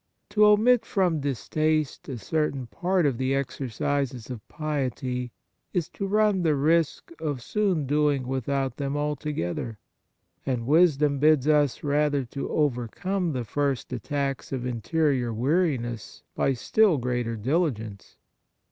To omit from distaste a certain part 66 The Nature of Piety of the exercises of piety is to run the risk of soon doing without them alto gether, and wisdom bids us rather to overcome the first attacks of interior weariness by still greater diligence.